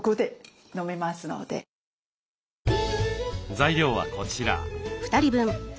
材料はこちら。